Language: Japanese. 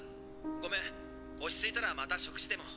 ごめん落ち着いたらまた食事でも。